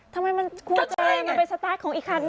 ทำไมมันควรเกลียดไปสตาร์ทของอีกครั้ง